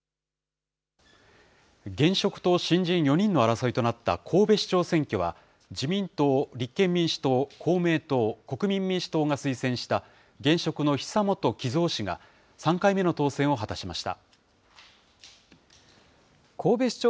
現職と新人４人の争いとなった神戸市長選挙は、自民党、立憲民主党、公明党、国民民主党が推薦した現職の久元喜造氏が３回目の当選を果たしました。